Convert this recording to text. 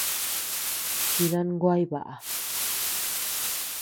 Chidan guay baʼa.